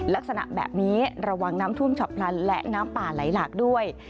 ลักษณะแบบนี้ระวังน้ำท่วมฉับพลันและน้ำป่าไหลหลากด้วย